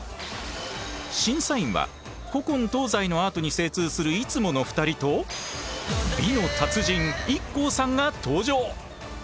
審査員は古今東西のアートに精通するいつもの２人と美の達人ＩＫＫＯさんが登場！